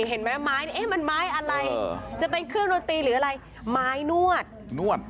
เห็นไหมไม้เอ๊ะมันไม้อะไรจะเป็นเครื่องดนตรีหรืออะไรไม้นวดนวด